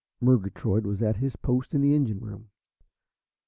Murgatroyd was at his post in the engine room.